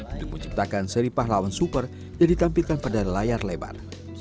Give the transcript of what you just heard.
untuk menciptakan seri pahlawan super yang ditampilkan pada layar lebar